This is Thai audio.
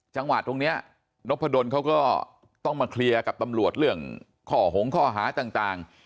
จังหวัดตรงนี้นพดลเขาก็ต้องมาเคลียร์กับตำรวจเรื่องข้อหงข้อหาต่าง